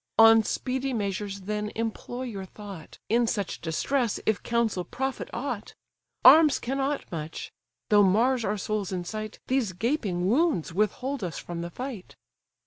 On speedy measures then employ your thought In such distress! if counsel profit aught: Arms cannot much: though Mars our souls incite, These gaping wounds withhold us from the fight."